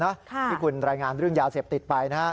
ที่คุณรายงานเรื่องยาเสพติดไปนะฮะ